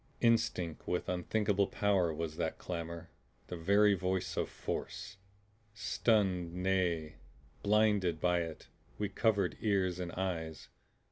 Instinct with unthinkable power was that clamor; the very voice of Force. Stunned, nay BLINDED, by it, we covered ears and eyes.